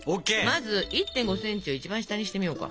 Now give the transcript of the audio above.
まず１．５センチを一番下にしてみようか。